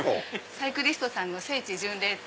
「サイクリスト聖地巡礼」